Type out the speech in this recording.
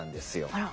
あら。